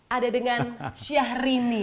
ada dengan syahrini